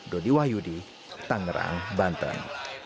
dodi wahyudi tangerang banten